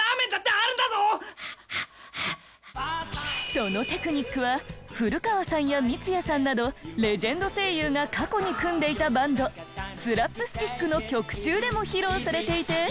そのテクニックは古川さんや三ツ矢さんなどレジェンド声優が過去に組んでいたバンドスラップスティックの曲中でも披露されていて。